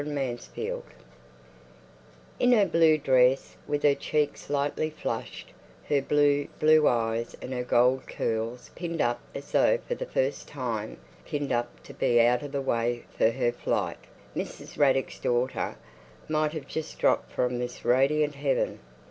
The Young Girl In her blue dress, with her cheeks lightly flushed, her blue, blue eyes, and her gold curls pinned up as though for the first time—pinned up to be out of the way for her flight—Mrs. Raddick's daughter might have just dropped from this radiant heaven.